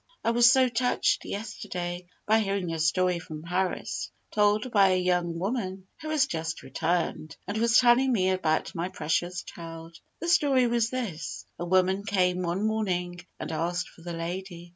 I was so touched, yesterday, by hearing a story from Paris, told by a young woman who has just returned, and was telling me about my precious child. The story was this: A woman came, one morning, and asked for the lady.